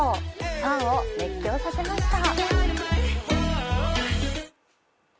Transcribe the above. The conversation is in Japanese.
ファンを熱狂させました。